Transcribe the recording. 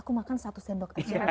aku makan satu sendok aja